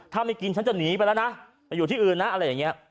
ถ้าไม่กินฉันจะหนีไปแล้วนะไปอยู่ที่อื่นนะอะไรอย่างนี้